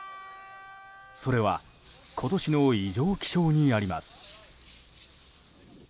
それは今年の異常気象にあります。